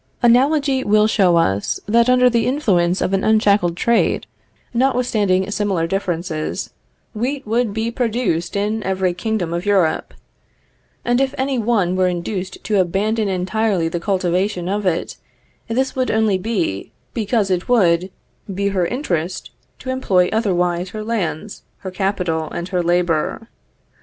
Analogy will show us, that under the influence of an unshackled trade, notwithstanding similar differences, wheat would be produced in every kingdom of Europe; and if any one were induced to abandon entirely the cultivation of it, this would only be, because it would be her interest to employ otherwise her lands, her capital, and her labor.